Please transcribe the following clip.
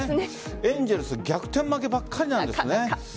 エンゼルス逆転負けばっかりなんですね。